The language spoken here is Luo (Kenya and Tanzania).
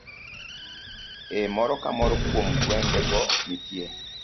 E moro ka moro kuom gwenge go, nitie